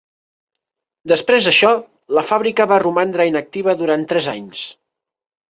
Després d'això, la fàbrica va romandre inactiva durant tres anys.